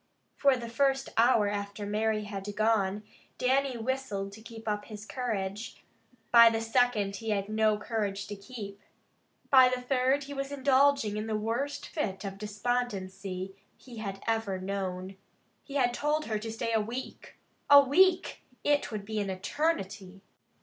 For the first hour after Mary had gone Dannie whistled to keep up his courage. By the second he had no courage to keep. By the third he was indulging in the worst fit of despondency he ever had known. He had told her to stay a week. A week! It would be an eternity!